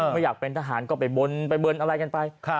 ไม่อยากเป็นทหารก็ไปบนไปบนอะไรกันไป